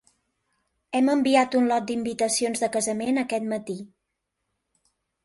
Hem enviat un lot d'invitacions de casament aquest matí.